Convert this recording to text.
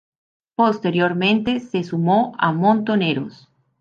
Posteriormente se sumó a Montoneros.